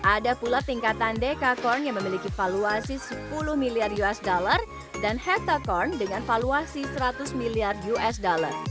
ada pula tingkatan dekakorn yang memiliki valuasi sepuluh miliar usd dan hektacorn dengan valuasi seratus miliar usd